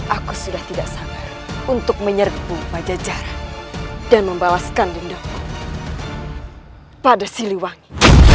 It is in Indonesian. aku sudah tidak sabar untuk menyerbu pajajaran dan membalaskan dendaku pada siliwangi